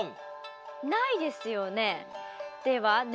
ないですよね？